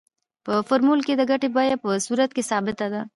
په فورمول کې د ګټې بیه په صورت کې ثابته ده